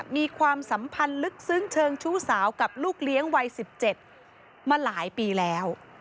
มีความสัมพันธ์ลึกซึ้งเชิงชู้สาวกับลูกเลี้ยงวัย๑๗มาหลายปีแล้ว